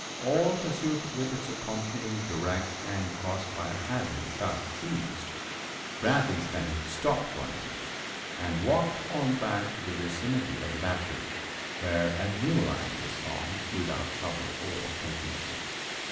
All pursuit with its accompanying direct and cross fire having thus ceased, Bradley's men stopped running and walked on back to the vicinity of the battery where a new line was formed without trouble or confusion.